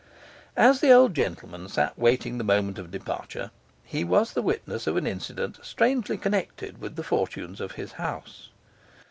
As the old gentleman sat waiting the moment of departure, he was the witness of an incident strangely connected with the fortunes of his house.